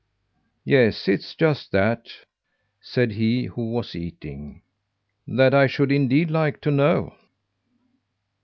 "Yes, it is just that," said he who was eating. "That I should indeed like to know."